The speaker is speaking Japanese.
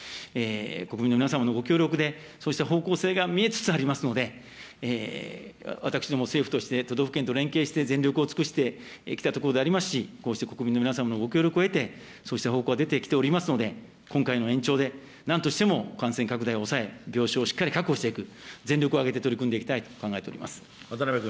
国民の皆様のご協力で、そうした方向性が見えつつありますので、私ども政府として都道府県と連携して全力を尽くしてきたところでありますし、こうして国民の皆様のご協力を得て、そうした方向が出てきておりますので、今回の延長で、なんとしても感染拡大を抑え、病床をしっかり確保していく、全力を挙げて取り組んでいきたいと考えております。